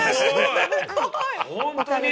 本当に？